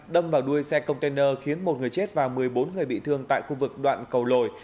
đâm vào đuôi xe container khiến một người chết và một mươi bốn người bị thương tại khu vực đoạn cầu lồi